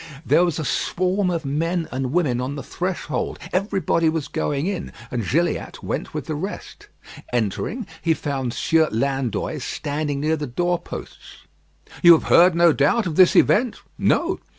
There was a swarm of men and women on the threshold. Everybody was going in, and Gilliatt went with the rest. Entering he found Sieur Landoys standing near the doorposts. "You have heard, no doubt, of this event?" "No."